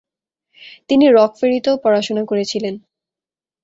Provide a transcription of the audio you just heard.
তিনি রকফেরিতেও পড়াশোনা করেছিলেন।